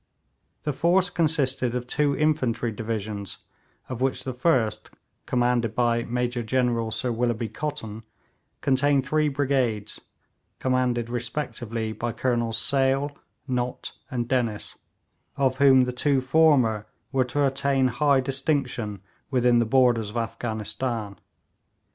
The force consisted of two infantry divisions, of which the first, commanded by Major General Sir Willoughby Cotton, contained three brigades, commanded respectively by Colonels Sale, Nott, and Dennis, of whom the two former were to attain high distinction within the borders of Afghanistan.